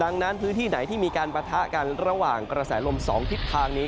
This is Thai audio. ดังนั้นพื้นที่ไหนที่มีการปะทะกันระหว่างกระแสลม๒ทิศทางนี้